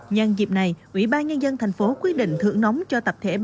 nhân dịp này ủy ban nhân dân thành phố quyết định thưởng nóng cho tập thể